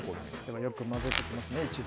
よく混ぜていきますね、一度。